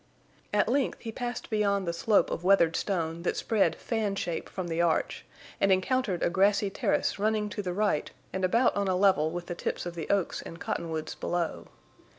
At length he passed beyond the slope of weathered stone that spread fan shape from the arch, and encountered a grassy terrace running to the right and about on a level with the tips of the oaks and cottonwoods below.